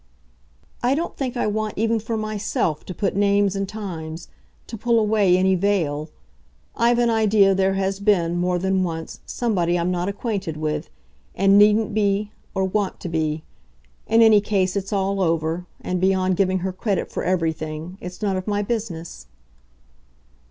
"I don't think I want even for myself to put names and times, to pull away any veil. I've an idea there has been, more than once, somebody I'm not acquainted with and needn't be or want to be. In any case it's all over, and, beyond giving her credit for everything, it's none of my business."